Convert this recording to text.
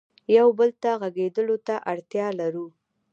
یو بل ته غږېدلو ته اړتیا لرو.